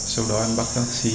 sau đó em bước vào chỗ bụi cây